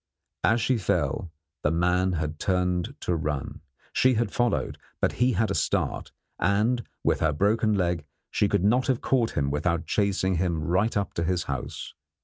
As she fell, the man had turned to run; she had followed, but he had a start, and, with her broken leg, she could not have caught him without chasing him right up to his house.